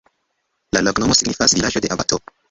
La loknomo signifas: vilaĝo de abato.